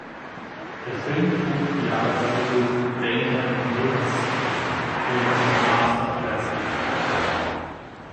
Der Film trug die Arbeitstitel "Danger in the Hills" und "Master of Lassie".